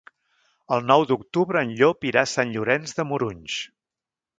El nou d'octubre en Llop irà a Sant Llorenç de Morunys.